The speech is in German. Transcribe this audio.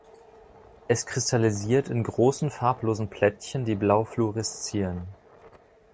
Es kristallisiert in großen, farblosen Plättchen, die blau fluoreszieren.